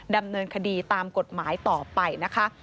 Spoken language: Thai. ดำเนินคดีตามกฎหมายต่อไปนะคะ